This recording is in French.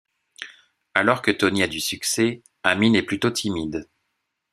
Alors que Tony a du succès, Amin est plutôt timide.